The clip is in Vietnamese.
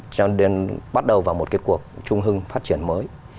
cho nên bắt đầu vào một cái cuộc trung hưng phát triển mới